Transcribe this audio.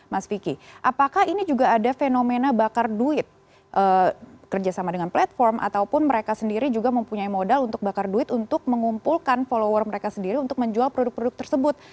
mas vicky apakah ini juga ada fenomena bakar duit kerjasama dengan platform ataupun mereka sendiri juga mempunyai modal untuk bakar duit untuk mengumpulkan follower mereka sendiri untuk menjual produk produk tersebut